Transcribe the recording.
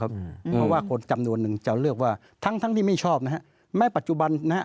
เพราะว่าคนจำนวนหนึ่งจะเลือกว่าทั้งทั้งที่ไม่ชอบนะฮะแม้ปัจจุบันนะฮะ